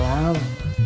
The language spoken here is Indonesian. nah apa kabar